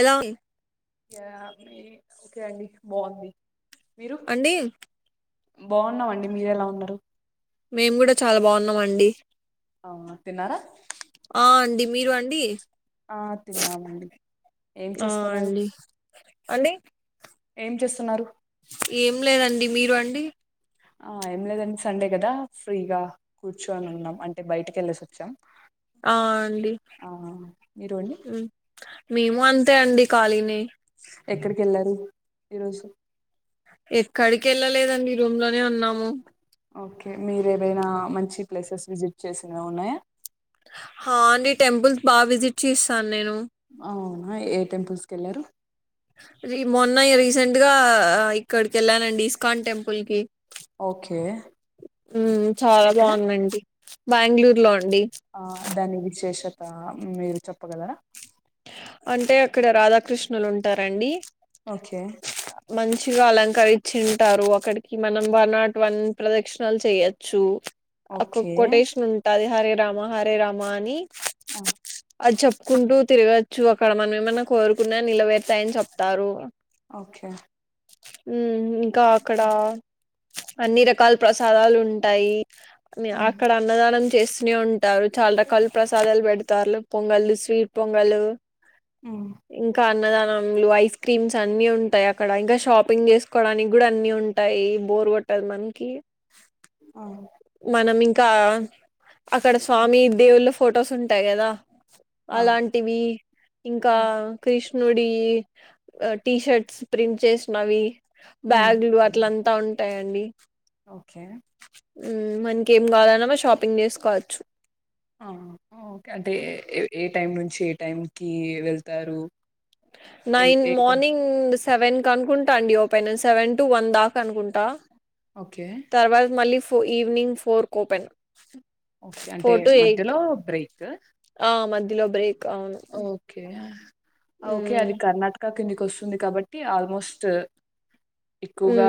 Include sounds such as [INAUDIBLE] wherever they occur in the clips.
ఎలా ఉన్ యా మీ ఓకే అండి బాగుంది మీరు అండి బాగున్నామండి మీరెలా ఉన్నారు? మేము కూడా చాలా బాగున్నామండి అవునా తిన్నారా? ఆ అండి మీరు అండి? ఆ తిన్నామండి ఏం ఆ చేస్తున్నారు? అండి అండి ఏం చేస్తున్నారు? ఏం లేదండి మీరు అండి? ఆ ఎం లేదండి సండే కదా ఫ్రీగా కూర్చోనున్నాం అంటే బయటకి వెళ్ళేసి వచ్చాం ఆ అండి ఆ మీరు అండి మ్ మేము అంతే అండి ఖాళీనె ఎక్కడికెళ్లారు ఈరోజు? ఎక్కడికి వెళ్ళలేదండి రూమ్ లోనే ఉన్నాము. ఓకే మీరు ఏదైనా మంచి ప్లేసెస్ విజిట్ చేసినవి ఉన్నాయా హ అండి టెంపుల్స్ బా విజిట్ చేస్తాను నేను. అవునా ఏ టెంపుల్స్ కెళ్ళారు? రీ మొన్న రీసెంట్ గా ఇక్కడికి వెళ్ళానండి ఇస్కాన్ టెంపుల్ కి ఓకే మ్ చాలా ఎక్కడ బాగుందండి. బెంగళూరు లో అన్ ఆ దాని విశేషత మీరు చెప్పగలరా? అంటే అక్కడ రాధాకృష్ణులు ఉంటారండి. ఓకే మంచిగా అలంకరి చింటారు అక్కడికి మనం వన్ నాట్ వన్ ప్రదక్షినాలు చేయచ్చు ఒక్క ఓకే కొటేషన్ ఉంటాది హరే రామ హరే రామ అని అవును అది చెప్పుకుంటూ తిరగచ్చు అక్కడ మనం ఏమన్నా కోరుకున్నా నిలవేరుతాయని చెప్తారు. ఓకే మ్ ఇంకా అక్కడ హ్మ్ అన్ని రకాల ప్రసాదాలు ఉంటాయి. మి అక్కడ అన్నదానం చేస్తూనే ఉంటారు చాలా రకాలు ప్రసాదాలు పెడతారులె పొంగలు స్వీట్ పొంగలు మ్ ఇంకా అన్నదానంలు ఐస్ క్రీమ్స్ అన్ని ఉంటాయి అక్కడ ఇంకా షాపింగ్ చేసుకోవడానికి కూడా అన్ని ఉంటాయి బో రు కొట్టదు మనకి ఆ మనం ఇంకా అక్కడ ఆ స్వామి దేవుళ్ళ ఫొటోస్ ఉంటాయి కదా ఆ అలాంటివి ఇంకా ఆ క్రిష్ నుడి టీ షర్ట్స్ ప్రింట్ చేసినవి, బ్యాగులు అట్లంతా ఉంటాయండి. ఓకె మ్ మనకి ఏం కావాలన్నా మ షాపింగ్ చేసుకోవచ్చు ఆ ఓకే అంటే ఏ టైం నుంచి ఏ టైంకి వెళ్తారు? ఏ నైన్ ఏ టైం మార్నింగ్ సెవెన్ కి అనుకుంటా అండి ఓపెన్ సెవెన్ టు వన్ దాకా అనుకుంటా ఓకే తర్వాత మళ్ళీ ఈవినింగ్ ఫోర్ కొపెన్ ఓకే అంటే మధ్యలో బ్రేక్ ఆ మధ్యలో బ్రేక్ అవును ఓకే ఓకే అది కర్ణాటక కిందికి వస్తుంది కాబట్టి ఆల్మోస్ట్ ఎక్కువగా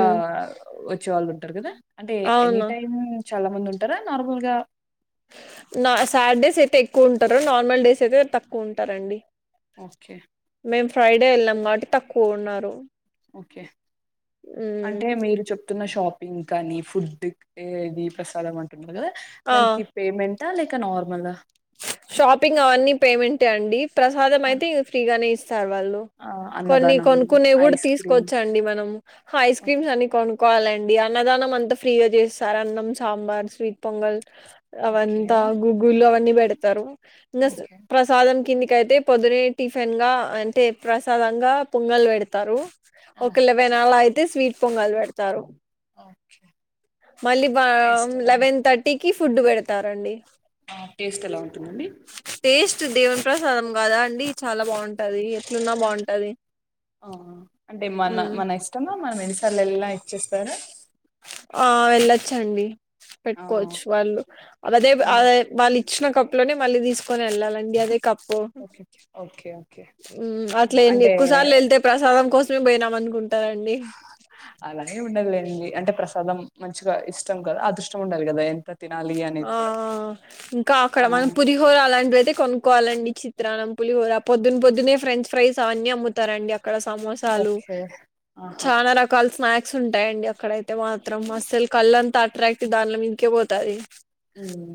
వచ్చే వాళ్ళు ఉంటారు కదా అంటే ఎనీ అవునా టైమ్ చాలా మంది ఉంటారా నార్మల్ గా నా సాటర్డేస్ అయితే ఎక్కువ ఉంటారు నార్మల్ డేస్ అయితే తక్కువ ఉంటారండి ఓకే మేం ఫ్రైడే వెళ్ళాం కాబట్టి తక్కువ ఉన్నారు ఓకే అంటే మ్మ్ మీరు చెప్తున్న షాప్ ఇంకా నీ ఫుడ్ది ప్రసాదం అంటుంటది కదా ఆ దానికి పేమెంట్ టా లేక నార్మల్లా షాపింగ్ అవన్నీ పేమెంటే అండి ప్రసాదం ఆ అయితే ఇగ ఫ్రీగానే ఇస్ స్తార్ వాళ్ళు ఆ, కొన్ని అన్నదానం కొనుకునే గూడా ఐస్ క్రీమ్స్ తీసుకోవచ్చండి మనం ఐస్ ఓకే క్రీమ్స్ అన్ని కొను కోవాలండి అన్నదానం అంత ఫ్రీగా జేస్తారు అన్నం సాంబార్ స్వీట్ పొంగల్ ఓకే అవంతా గూగుల్లో అవన్నీ బెడతారు ఇంగ ఓకే ప్రసాదం కిందికైతే పొద్దునే టిఫిన్ గా అంటే ప్రసాదంగా పొంగల్ పెడతారు ఆ ఒక లెవేన్ అలా అయితే స్వీట్ పొంగల్ పెడతారు ఆ మళ్ళీ టేస్ట్ ఎలా లెవెన్ థర్టీకిి ఫుడ్ బెడతారండి ఆ టేస్ట్ ఎలా ఉంటుందండి టేస్ట్ దేవుని ప్రసాదం గదా అండి చాలా బాగు ఉంటది ఎట్లున్నా బాగుంటది ఆ అంటే మన ఉమ్ మన ఇష్టంగా మనం ఎన్నిసార్లు ఎళ్ళిన ఇచ్చేస్తారా ఆ వెళ్ళొచ్చండి ఆ పెట్టుకోవచ్చు వాళ్ళు వదే ఉమ్ అదే వాళ్ళు ఇచ్చిన కప్ లోనే మళ్ళీ తీసుకొని వెళ్ళాలండి అదే కప్ ఓహో ఓకే ఓకే ఓకే ఆ, అట్లా ఎన్ని అంటే ఎక్కువసార్లు యెళ్తే ప్రసాదం కోసం బోయినామనుకుం అలా ఏం ఉండదులేండి అంటే ప్రస్ దం మంచిగా ఇష్టం కదా అదృష్టం ఉండాలి గదా ఎంత తినాలి అనేది ఆ కూడా ఇంకా అక్కడ మనం ఆ పులిహోర అలాంటివి అయితే కొను కోవాలండి చిత్రానం పులిహోర పొద్దున్న పొద్దున్నే ఫ్రంచ్ ఫ్రైస్ అవన్నీ అమ్ముతారండి అక్కడ సమోసాలు ఓకే ఆహా చాలా రకాల స్నాక్స్ ఉంటాయండి అక్కడైతే మాత్రం అసలు కళ్ళంతా అట్రాక్ట్ దానిలో మీదికే పోతది ఉమ్.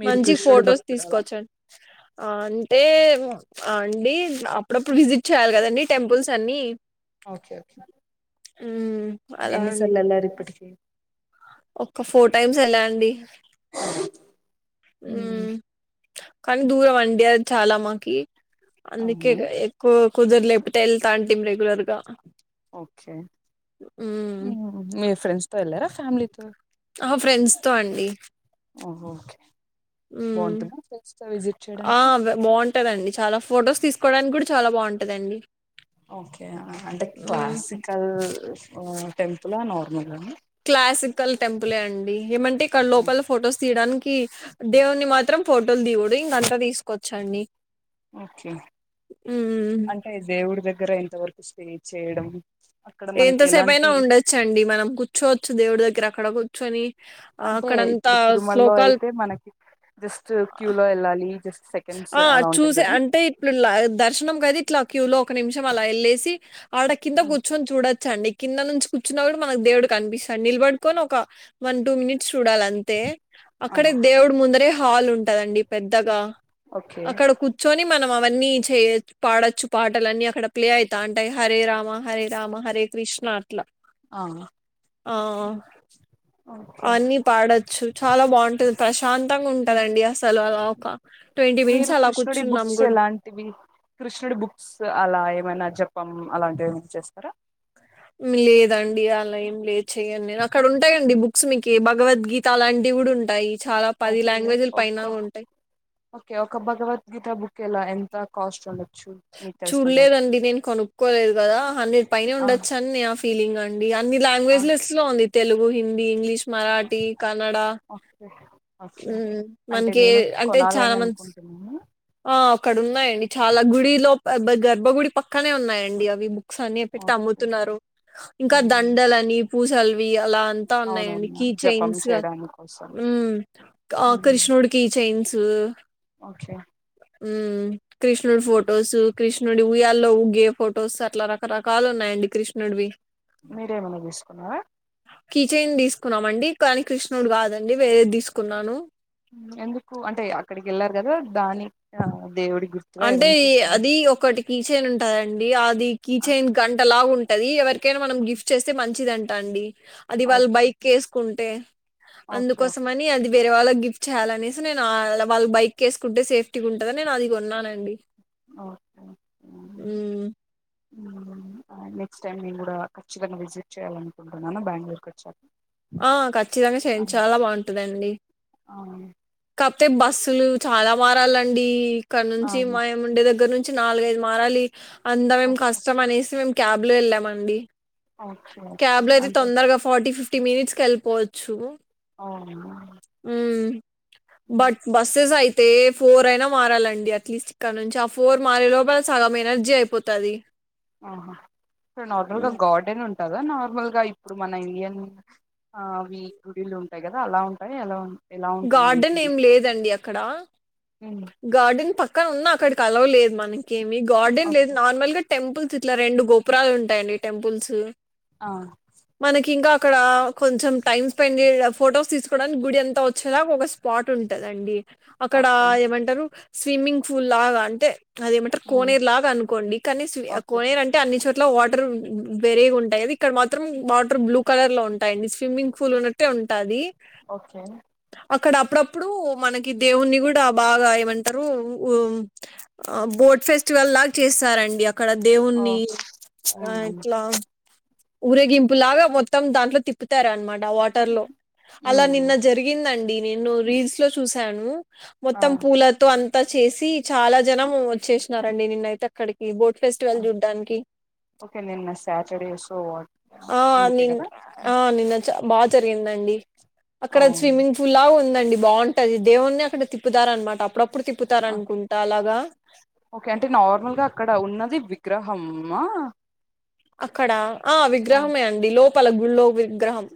మీరు మంచిగ కృష్ణుడి ఫొటోస్ భక్తురాలా తీసుకోవచ్చు అంటే అండి అప్పుడప్పుడు విజిట్ చేయాలి గదండి టెంపుల్స్ అన్ని ఓకే ఓకే మ్మ్ ఎన్నిసార్లు యేళ్ళారు ఇప్పటికి ఒక ఫోర్ టైమ్స్ యెళ్ళా అండి ఉమ్ కానీ దూరం అండి అది చాలా మాకి అందుకే అవునా ఎక్కువ కుదురలే లేకపోతే యెళ్తా అండి రెగ్యులర్ గా ఓకే మ్మ్ మీరు ఫ్రెండ్స్ తో యెళ్ళారా ఫ్యామిలీతో ఆహా ఫ్రెండ్స్ తో అండి ఓ ఓకే ఉమ్ బాగుంటుందా ఫ్రెండ్స్ తో విజిట్ ఆ చేయడానికి బాగుంటదండి చాలా ఫొటోస్ తీసుకోవడానికి కూడా చాలా బావుంటదండి ఓకే అంటే క్లాసికల్ టెంపులా నార్మలా క్లాసికల్ టెంపులే అండి ఏమంటే ఇక్కడ లోపల ఫొటోస్ తీయడానికి దేవుణ్ణి మాత్రం ఫోటోలు తీయకూడదు ఇంకంతా తీసుకోవచ్చండి ఓకే అంటే దేవుడి దగ్గర ఇంతవరకు స్టే చేయడం అక్కడ మనకి ఎంతసేపు అయినా ఎలాంటి ఉండొచ్చండి మనం కూర్చోవచ్చు దేవుడి దగ్గర అక్కడ కూర్చుని అంటే ఇప్పుడు తిరుమల లో అయితే మనకి జస్ట్ క్యూ లో వెళ్ళాలి జస్ట్ సెకండ్స్ ఆ అలా ఉంటది చూసే కదా అంటే ఇట్ దర్శనం కైతే ఇట్లా క్యూ లో ఒక నిమిషం అలా వెళ్ళేసి ఆడ కింద ఆ కూర్చొని చూడొచ్చండి కింద నుంచి కూర్చున్న కూడా మనకు దేవుడు కనిపిస్తాడు నిలబడుకొని ఒక వన్ టూ మినిట్స్ చూడాలి అంతే ఆ అక్కడే దేవుడు ముందరే హాల్ ఉంటదండి పెద్దగా ఓకే అక్కడ కూర్చొని మన అవన్నీ చేయచ్చు పాడొచ్చు పాటలు అన్నీ అక్కడ ప్లే అవుతాంటాయి హరే రామ హరే రామ హరే కృష్ణ కృష్ణాట్లా ఆ ఆ ఓకే అన్ని పాడొచ్చు చాలా బావుంటది ప్రశాంతంగా ఉంటదండి అసలు అదొ ఒక ట్వంటీ మినిట్స్ మీరు అలా కృష్ణుడి కూర్చున్నాం బుక్స్ కూడ ఎలాంటివి కృష్ణుడి బుక్స్ అలా ఏమైనా జప్పం అలాంటివి ఏమైనా చేస్తారా లేదండి అలా ఏం లేదు చెయ్యన్ నేను అక్కడ ఉంటయండి బుక్ బుక్స్ మీకు భగవద్గీత అలాంటివి గూడ ఉంటాయి చాలా పది ఓకే లాంగ్వేజ్ల పైన ఒక కూడా ఉంటాయి ఓకే ఒక భగవద్గీత బుక్ ఎలా ఎంత కాస్ట్ ఉండొచ్చు మీక్ చూడలేదండి నేను కొనుక్కోలేదు కదా హండ్రెడ్ పైనే ఆ ఉండొచ్చు అని ఆ ఫీలింగ్ అండి అన్ని ఆ లాంగ్వేజ్ లిస్ట్ లో ఉంది Telugu Hindi English Marathi Kannada okay okay హ్మ్ అంటే మనకి నేను అంటే చాలా కొనాలని మంది అనుకుంటున్నాను ఆ అక్కడ ఉన్నాయండి చాలా గుడిలో ప బ గర్భగుడి పక్కనే ఉన్నాయండి అవి బుక్ సని పెట్టి ఓకే అమ్ముతున్నారు ఇంక ఉమ్, దండలని పూసలవి అలా అంత ఉన్నాయండి అవునవును కీ జపం చైన్స్ గా చేయడాని కోసం హ్మ్ ఆ క్రిష్ణుడు కీ చైన్స్ హ్మ్ ఒకే హ్మ్ కృష్ణుడి ఫోటోస్ కృష్ణుడి ఉయ్యాల్లో ఊగే ఫొటోస్ అట్ల రకరకాలు ఉన్నాయండి కృష్ణుడివి మీరేమైనా తీసుకున్నారా కిచైన్ తీసుకున్నామండి కానీ కృష్ణుడు కాదండి వేరేది తీసుకున్నాను ఎందుకు అంటే అక్కడికి ఎళ్లారు కద దానికా దేవుడి గుర్తుగా అంటే ఏదైనా తీసుకోండి అది ఒకటి కీచైన్ ఉంటదండి అది కీచైన్ గంటలా ఉం టది ఎవరికైనా మనం గిఫ్ట్ చేస్తే మంచిదంట అండి అది వాళ్ళ ఓకే బైక్ ఏసుకుంటే ఓకే అందుకోసం ఓకే అని అది వేరే వాళ్ళకి గిఫ్ట్ చాలనేసి నేను వాళ్ళ బైక్ ఏసుకుంటే సేఫ్టీ ఉంటదని నేను అది కొన్నానండి ఓకే హ్మ్ నెక్స్ట్ టైమ్ నేను గుడా ఖచ్చితంగా విజిట్ చేయాలి అనుకుంటున్నాను బెంగళూరుకి కొచ్చా ఆ ఖచ్చితంగా చేయండి చాలా బాగుంటందండి అవునా కప్ అయితే బస్సులు చాలా మారాలండి ఇక్కడ నుంచి మాయమ ఉండే దగ్గర నుంచి నాలుగైదు మారాలి అంతా మేము ఓకే కష్టం అనేసి మేము క్యాబ్ లో ఎళ్ళామండి ఓకే ఓకే క్యాబ్ లో అయితే అంటే తొందరగా ఫార్టీ ఫిఫ్టీ మినిట్స్ కి ఎళ్ళిపోవచ్చు ఆవున్ ఊ బట్ బస్సెస్ అయి తే ఫోర్ అయినా మారాలండి అట్లీస్ట్ ఇక్కడ నుంచి ఆ ఫోర్ మారే లోపల సగం ఎనర్జీ అయిపోతది. ఆహా సో నార్మల్ గా గార్డెన్ ఉంటదా నార్మల్గా ఇప్పుడు మన ఇండియన్ ఆవి గుడిలు ఉంటాయి కదా అలా ఉంటాయ ఎలా ఉం ఎలా ఉంటుంది గార్డెన్ గుడి ఏం లేదండి అక్కడ ఉమ్, గార్డెన్ పక్కన ఉన్న అక్కడ కలవలేదు మనకేమి గార్డెన్ లేదు ఓకే నార్మల్ గా టెంపుల్ స్ ఇట్లా రెండు గోపురాలు ఉంటాయండి టెంపుల్స్ ఆ, మనకి ఇంకా ఇక్కడ కొంచెం టైమ్ స్పెండ్ [UNINTELLIGIBLE] ఫొటోస్ తీసుకోవడానికి గుడి అంత వచ్చేలాగ ఒక స్పాట్ ఉంటదండి. అక్కడా ఓకే స్విమ్మింగ్ ఫూల్ లాగ అంటే అదేమంటరు కోనేరు లాగా అనుకోండి కనీస్ ఓకే కోనేరు అంటే అన్ని చోట్ ట్ల వాటర్ వేరేగా ఉంటాయి కదా ఇక్కడ మాత్రం వాటర్ బ్లూ కలర్ లో ఉంటాయండి స్విమ్మింగ్ ఫూల్ ఉన్నట్టే ఉంటాది ఓకే అక్కడ అప్పుడప్పుడు మనకి దేవున్ని కూడా బాగా ఏమంటరు ఉమ్ ఆ బోట్ ఫెస్టివల్ లాగ చేస్తారండి అ అక్కడ ఓ దేవున్ని ఆ మ్మ్ ఇట్లా ఊరేగింపు లాగా మొత్తం దాంట్లో తిప్పుతారు అన్మా ట వాటర్ లో అలా నిన్న మ్మ్ జరిగిందండి నేను రీల్స్ లో చూశాను ఆ మొత్తం పూలతో అంతా చేసి చాలా జనం వచ్చేసినారండి నిన్న అయితే అక్కడి ఈ బోట్ ఫెస్టివల్ చూడ్డానికి చెడ సో ఆ అందుకే నిన్న కదా మ్మ్. ఆ నిన్న చ బాగా జరిగిందండి అక్కడ అవును స్విమ్మింగ్ ఫూల్ లాగా ఉందండి బాగుంటది దేవున్ని అక్కడ తిప్పుతారు అనమాట అప్పుడప్ ఓకే ఓకే అంటే నార్మల్గా అక్కడ ఉన్నది విగ్రహం మా అక్కడ ఆ విగ్రహమే అండి లోపల గుళ్ళో విగ్రహం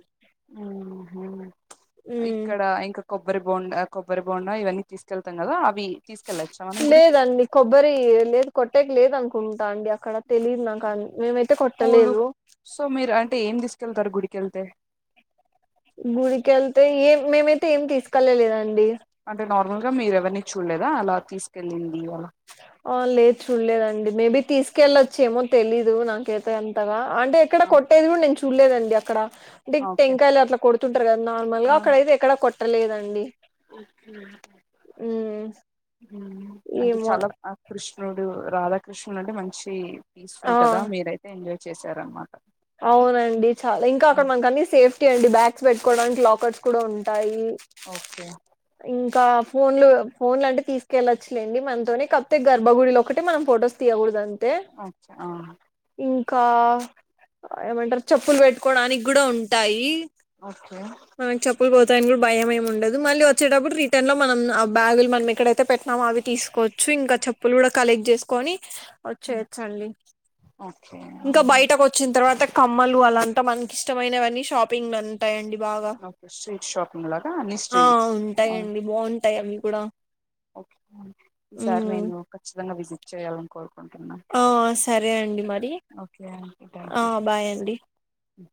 ఆహా ప్చ్ ఉమ్. ఇక్కడా ఇంక కొబ్బరి బోండా కొబ్బరి బోండా ఇవన్నీ తీసుకెళ్తాం కదా అవి తీసుకెళ్ళచ్చా మనం గుడికి లేదండి కొబ్బరి లేదు కొట్టేకి లేదు అనుకుంటా అండి అక్కడ తెలీదు నాకు మేమైతే పూలు కొట్టలేదు కెళ్తే గుడికి వెళ్తే ఏం మేమైతే ఏమి తీసుకెళ్లలేదండి అంటే నార్మల్ గా మీరు ఎవరిని చూల్లేదా అలా తీసుకెళ్ళింది వా ఆ లేదు చూల్లేదండి మేబి తీసుకెళ్ళొచ్చు ఏమో తెలీదు నాకైతే అంతగా అంటే ఎక్కడ ఆ, కొట్టేది కూడా నేను చూల్లేదండి అక్కడ అంటే ఓకే టెంకాయలు అట్లా కొడుతుంటారు కదా నార్మల్ గా అక్కడైతే ఎక్కడా కొట్టలేదండి ఓక్కే ఉమ్ ఉమ్ అంటే ఏమో చాలా ఆ కృష్ ష్ణుడు రాధాకృష్ణులు అంటే మంచి ఆ పీస్ఫుల్ కదా మీరైతే ఎంజాయ్ చేశారమ్మా అవునండి చాలా ఇంకా అక్కడ మనకు అన్నీ సేఫ్ టీ అండి బ్యాగ్స్ పెట్టుకోవడానికి లాకెట్స్ కూడా ఉంటాయి ఓకే ఇంకా ఫోన్లు ఫోన్లు అంటే తీసుకెళ్ళొచ్చులేండి మనతోని కాకపోతే గర్భగుడిలో ఒకటి మనం ఫొటోస్ తీయకూడదు అం అచ్చా ఆ కా ఏమంటారు చెప్పులు పెట్టుకోవడానికి కూడా ఉంటాయి ఓకే మనకు చెప్పులు పోతాయని కూడా భయం ఏం ఉండదు మళ్ళీ వచ్చేటప్పుడు రిటర్న్ లో మనం ఆ బ్యాగులు మనం ఎక్కడైతే పెట్టినామో అవి తీసుకోవచ్చు ఇంకా చెప్పులు కూడా కలెక్ట్ చేసుకని వచ్చేయచ్చండి ఓకే ఇంకా బయటకు వచ్చిన తర్వాత కమ్మలు అలాంతా మనకి ఇష్టమైనవన్నీ షాపింగ్ అంటాయిండి బాగా ఓకే స్ట్రీట్ షాపింగ్ లాగా అన్ని ఆ స్ట్రీట్ ఉంటాయండి బాగుంటాయి అవి కూడా ఓకే ఈసారి ఉమ్ నేను ఖచ్చితంగా విజిట్ చేయాలని కోరుకుంటున్నాను ఆ సరే అండి మరి ఓకే బాయ్ అండి ఉ